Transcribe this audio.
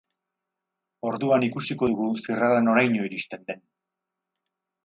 Orduan ikusiko dugu zirrara noraino iristen den.